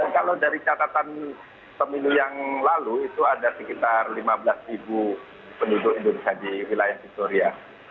kalau dari catatan pemilu yang lalu itu ada sekitar lima belas penduduk indonesia di wilayah victoria